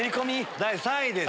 第３位です。